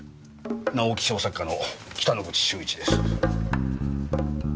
直木賞作家の北之口秀一です。